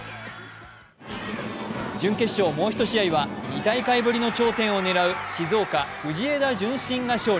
準決勝もう１試合は２大会ぶりの頂点を狙う静岡・藤枝順心が勝利。